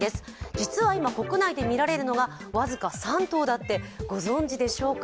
実は今、国内で見られるのが僅か３頭ってご存じでしょうか。